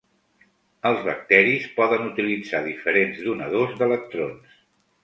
Els bacteris poden utilitzar diferents donadors d'electrons.